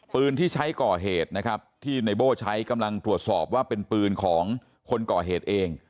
ปืนที่ใช้ก่อเหตุนะครับที่ในโบ้ใช้กำลังตรวจสอบว่าเป็นปืนของคนก่อเหตุเอง